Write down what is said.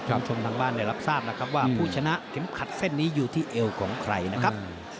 คุณผู้ชมทางบ้านได้รับทราบนะครับว่าผู้ชนะเข็มขัดเส้นนี้อยู่ที่เอวของใครนะครับ